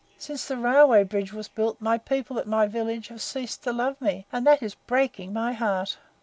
Since the railway bridge was built my people at my village have ceased to love me; and that is breaking my heart."